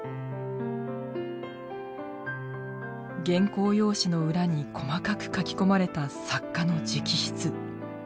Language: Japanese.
原稿用紙の裏に細かく書き込まれた作家の直筆。